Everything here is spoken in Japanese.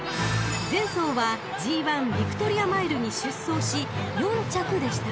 ［前走はＧⅠヴィクトリアマイルに出走し４着でした］